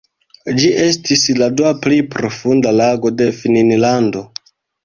Ĝi estis la dua plej profunda lago de Finnlando.